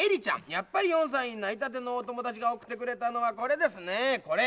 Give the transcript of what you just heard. やっぱり４さいになりたてのおともだちがおくってくれたのはこれですねこれ。